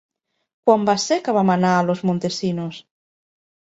Quan va ser que vam anar a Los Montesinos?